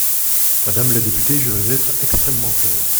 Madame la députée, je vais être extrêmement clair.